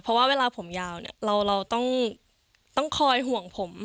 เพราะว่าเวลาผมยาวเนี่ยเราต้องคอยห่วงผม